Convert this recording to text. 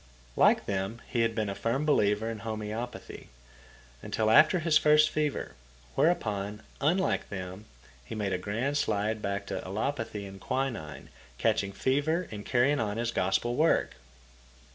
Like them he had been a firm believer in homeopathy, until after his first fever, whereupon, unlike them, he made a grand slide back to allopathy and quinine, catching fever and carrying on his Gospel work.